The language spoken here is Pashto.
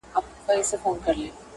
د سپني بیړۍ ماشوم